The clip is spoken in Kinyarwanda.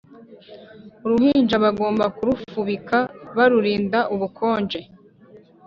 uruhinja bagomba kurufubika barurinda ubukonje